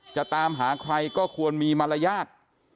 จะตามหาใครก็ควรมีมารยาท